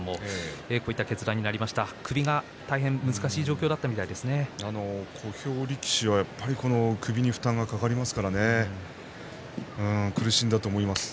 こういった決断でしたが首が大変難しい状況だった小兵力士は首に負担がかかりますから苦しんだと思います。